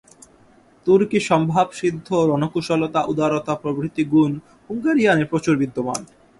তুর্কী-স্বভাবসিদ্ধ রণকুশলতা, উদারতা প্রভৃতি গুণ হুঙ্গারীয়ানে প্রচুর বিদ্যমান।